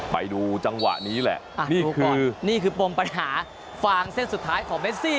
ไปดูจังหวะนี้แหละนี่คือนี่คือปมปัญหาฟางเส้นสุดท้ายของเมซี่